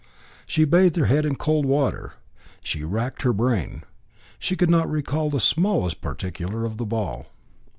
She bathed her head in cold water. She racked her brain. She could not recall the smallest particular of the ball.